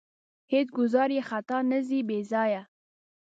هېڅ ګوزار یې خطا نه ځي بې ځایه.